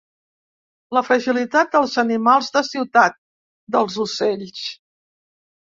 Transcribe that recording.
La fragilitat dels animals de ciutat, dels ocells.